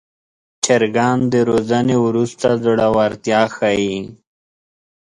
چرګان د روزنې وروسته زړورتیا ښيي.